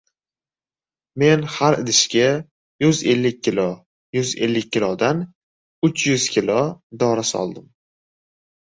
Men har idishga yuz ellik kilo-yuz ellik kilodan uch yuz kilo dori soldim.